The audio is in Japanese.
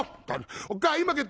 おっかあ今帰った」。